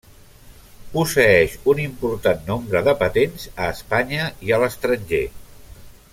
Posseeix un important nombre de patents a Espanya i a l'estranger.